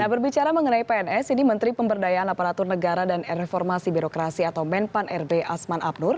nah berbicara mengenai pns ini menteri pemberdayaan aparatur negara dan reformasi birokrasi atau menpan rb asman abnur